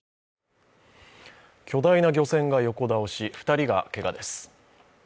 巨大な漁船が横倒し、２人がけがです。